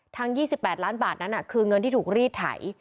ทั้งยี่สิบแปดล้านบาทนั้นอ่ะคือเงินที่ถูกรีดไถ